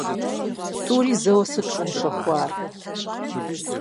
ТӀури зэуэ сыт щӀумыщэхуар?